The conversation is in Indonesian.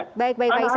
baik baik baik faisal